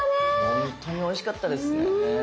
本当においしかったですね。